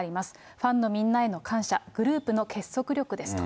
ファンのみんなへの感謝、グループの結束力ですと。